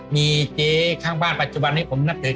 มีเจ๊ข้างบ้านปัจจุบันให้ผมนับถือ